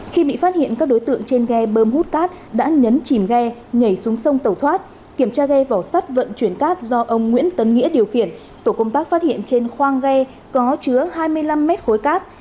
khi bị phát hiện các đối tượng trên ghe bơm hút cát đã nhấn chìm ghe nhảy xuống sông tẩu thoát kiểm tra ghe vỏ sắt vận chuyển cát do ông nguyễn tấn nghĩa điều khiển tổ công tác phát hiện trên khoang ghe có chứa hai mươi năm mét khối cát